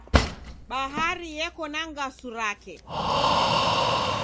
Bahari yeko na ngasu rake